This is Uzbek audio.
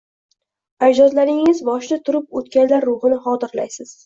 Ajdodlaringiz boshida turib o’tganlar ruhini xotirlaysiz.